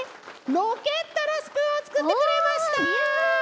ロケットのスプーンをつくってくれました。